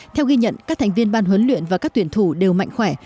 theo ghi nhận các thành viên ban huấn luyện và các tuyển thủ đều mạnh khỏe